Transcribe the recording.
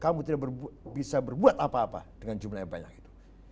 kamu tidak bisa berbuat apa apa dengan jumlah yang banyak itu